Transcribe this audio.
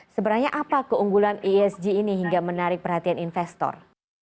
sebenarnya apa keunggulan esg ini hingga menarik perhatian investor